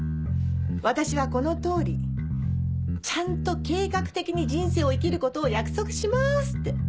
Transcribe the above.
「私はこの通りちゃんと計画的に人生を生きることを約束します」って。